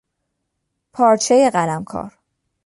پارچهی قلمکار